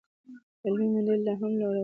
علمي موندنې لا هم روانې دي.